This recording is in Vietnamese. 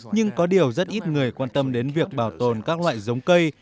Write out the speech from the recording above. nhưng có điều rất ít người quan tâm đến việc bảo tồn các loại giống cây